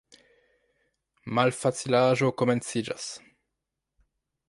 Malfacilaĵo komenciĝas.